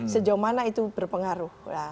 sejauh mana itu berpengaruh